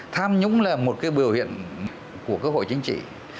tham nhũng là một biểu hiện của cơ hội chính trị